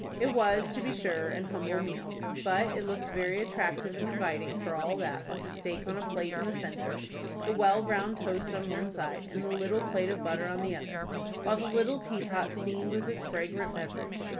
It was, to be sure, an humble meal; but it looked very attractive and inviting for all that, with the steak on a plate in the centre, the well browned toast on one side, and the little plate of butter on the other, while the little teapot steamed with its fragrant beverage.